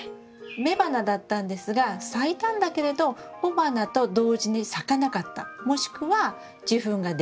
雌花だったんですが咲いたんだけれど雄花と同時に咲かなかったもしくは受粉ができなかった。